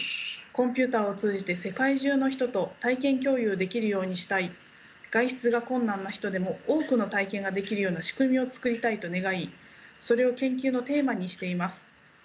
コンピューターを通じて世界中の人と体験共有できるようにしたい外出が困難な人でも多くの体験ができるような仕組みを作りたいと願いそれを研究のテーマにしています。